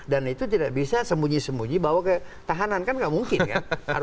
dan itu tidak bisa sembunyi sembunyi bawa ke tahanan kan tidak mungkin kan